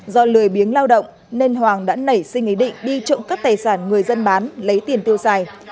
do lời biếng lao động nên hoàng đã nảy sinh ý định đi trộm cắp tài sản người dân bán lấy tiền tiêu xài